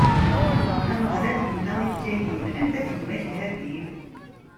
Ameɣlal inna i Kayin: Anda-t gma-k Habil?